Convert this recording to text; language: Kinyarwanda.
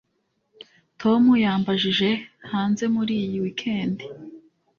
Tom yambajije hanze muri iyi weekend